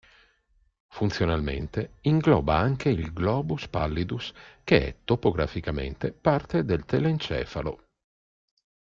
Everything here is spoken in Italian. Funzionalmente ingloba anche il globus pallidus che è topograficamente parte del telencefalo.